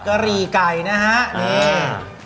หรี่ไก่นะฮะนี่